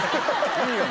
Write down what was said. いいよね